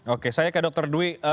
oke saya ke dr dwi